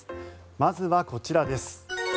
まずはこちらです。